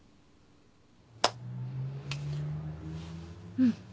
うん。